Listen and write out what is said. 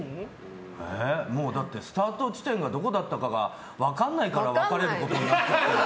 だって、スタート地点がどこだったかが分かんないから別れることになってる。